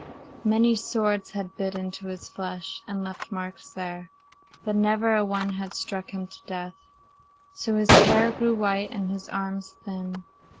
Many swords had bit into his flesh and left marks there, but never a one had struck him to death. So his hair grew white and his arms thin.